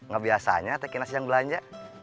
gak biasanya teki nasi yang belanja